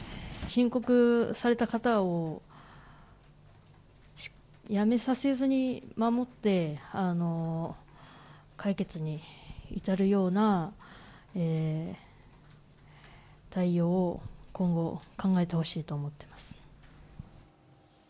申告された方を辞めさせずに、守って解決に至るような対応を、今後、考えてほしいと思っています。